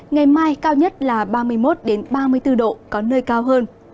ngày mai cao nhất là ba mươi một ba mươi bốn độ có nơi cao hơn